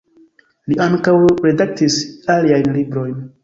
Li ankaŭ redaktis aliajn librojn.